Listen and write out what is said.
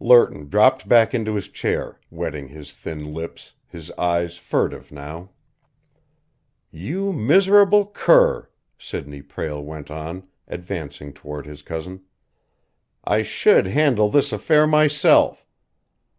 Lerton dropped back into his chair, wetting his thin lips, his eyes furtive now. "You miserable cur!" Sidney Prale went on, advancing toward his cousin. "I should handle this affair myself.